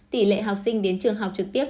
tỷ lệ học sinh đến trường học trực tiếp